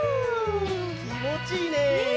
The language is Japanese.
きもちいいね。ね！